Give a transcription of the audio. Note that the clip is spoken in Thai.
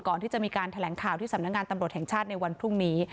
ก่อนที่จะมีการแถลงข่าวที่สำนักงานตำรวจแห่งชาติในวันพรุ่งนี้